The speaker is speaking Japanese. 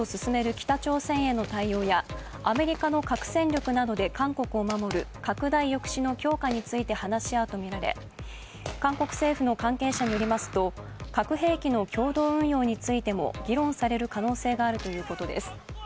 北朝鮮への対応やアメリカの核戦力などで韓国を守る拡大抑止の強化について話し合うとみられ韓国政府の関係者によりますと核兵器の共同運用についても議論される可能性があるということです。